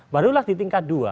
barulah di tingkat dua